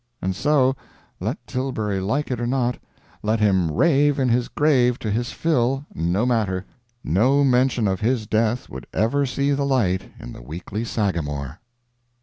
And so, let Tilbury like it or not, let him rave in his grave to his fill, no matter no mention of his death would ever see the light in the Weekly Sagamore.